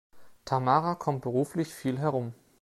Tamara kommt beruflich viel herum.